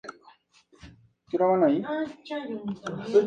Al morir, Baruta fue enterrado con su rito.